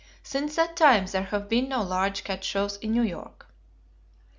Since that time there have been no large cat shows in New York.